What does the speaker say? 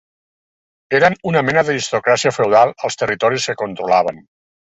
Eren una mena d'aristocràcia feudal als territoris que controlaven.